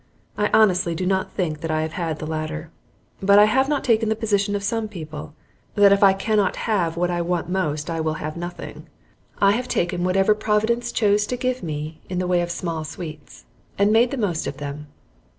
I honestly do not think that I have had the latter. But I have not taken the position of some people, that if I cannot have what I want most I will have nothing. I have taken whatever Providence chose to give me in the way of small sweets, and made the most of them.